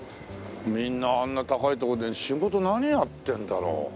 みんなあんな高い所で仕事何やってんだろう？